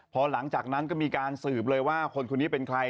พอหลังจากนั้นก็มีการสืบเลยว่าคนคนนี้เป็นใคร